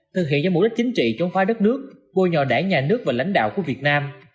thực hiện do mục đích chính trị chống phái đất nước bôi nhỏ đảng nhà nước và lãnh đạo của việt nam